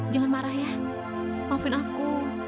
jangan marah ya maafin aku